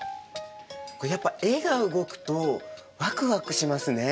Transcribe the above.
やっぱ絵が動くとワクワクしますね！